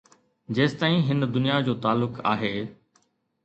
جيستائين هن دنيا جو تعلق آهي.